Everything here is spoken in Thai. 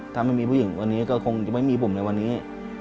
ถ้าไม่มีผู้หญิงวันนี้ก็คงจะไม่มีผมในวันนี้